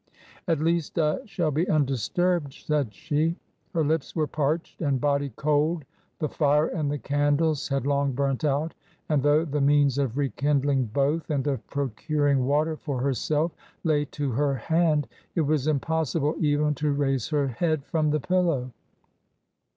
" At least I shall be undisturbed," said she. Her lips were parched and body cold. The fire and the candles had long burnt out, and though the means of rekindling both and of procuring water for herself lay to her hand, it was impossible even to raise her head from the pillow.